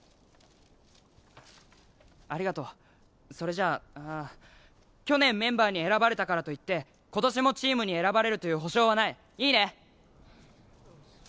ありがとうそれじゃあ去年メンバーに選ばれたからといって今年もチームに選ばれるという保証はないいいね？